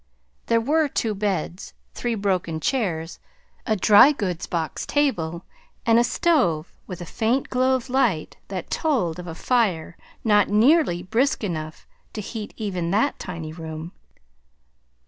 There were two beds, three broken chairs, a dry goods box table, and a stove with a faint glow of light that told of a fire not nearly brisk enough to heat even that tiny room.